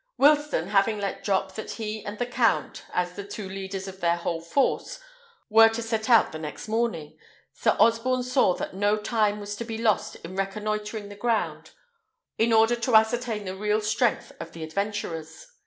Wilsten having let drop that he and the count, as the two leaders of their whole force, were to set out the next morning, Sir Osborne saw that no time was to be lost in reconnoitring the ground, in order to ascertain the real strength of the adventurers.